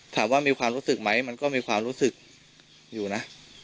ถามว่ามีความรู้สึกไหมมันก็มีความรู้สึกอยู่นะ